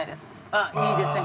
あっいいですね。